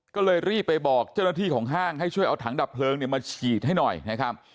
ก็เลยรีบไปบอกเจ้าหน้าที่ของห้างให้ช่วยเอาถังดับเพลิงเนี่ยมาฉีดให้หน่อยนะครับ